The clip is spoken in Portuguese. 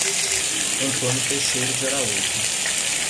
Antônio Teixeira de Araújo